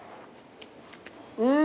うん！